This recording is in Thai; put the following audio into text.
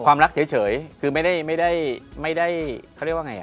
ความรักเฉยคือไม่ได้ไม่ได้ไม่ได้เขาเรียกว่าไงอ่ะ